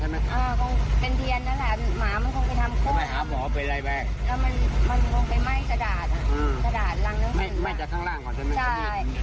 แล้วก็เริ่นออกมาตัดน้ำข้างนอกเที่ยว